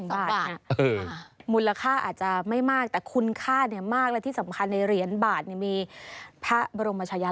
บรมชายลักษณ์ของในหลวงราชการที่ก้าวอยู่